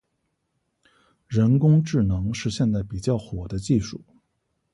人工智能是现在比较火的技术。